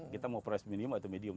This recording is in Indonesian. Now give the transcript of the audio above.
kita mau price minimum atau medium